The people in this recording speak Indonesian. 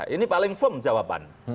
ini paling firm jawaban